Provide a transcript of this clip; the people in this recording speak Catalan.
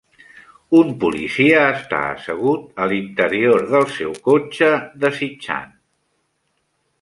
Un policia està assegut a l'interior del seu cotxe desitjant.